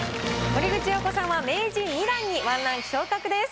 森口瑤子さんは名人２段に１ランク昇格です。